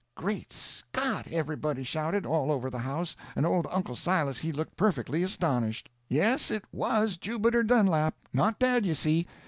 _" "Great Scott!" everybody shouted, all over the house, and old Uncle Silas he looked perfectly astonished. "Yes, it was Jubiter Dunlap. Not dead, you see.